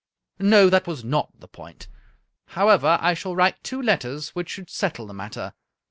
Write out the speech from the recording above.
" No, that was not the point. However, I shall write two letters which should settle the matter.